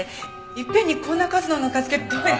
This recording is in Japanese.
いっぺんにこんな数のぬか漬けどうやって。